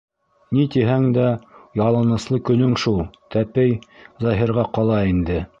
Ни тиһәң дә, ялыныслы көнөң шул Тәпей Заһирға ҡала инде.